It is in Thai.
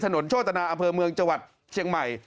โชตนาอำเภอเมืองจังหวัดเชียงใหม่